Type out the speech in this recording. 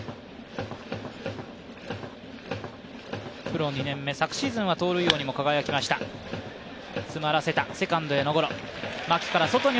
プロ２年目、昨シーズンは盗塁王にも輝きました。